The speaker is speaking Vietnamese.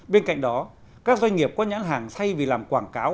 bên cạnh đó các doanh nghiệp có nhãn hàng thay vì làm quảng cáo